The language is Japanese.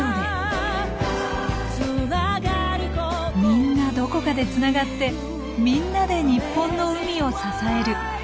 みんなどこかでつながってみんなで日本の海を支える。